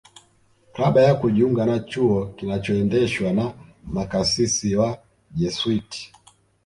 kabla ya kujiunga na chuo kinachoendeshwa na makasisi wa Jesuit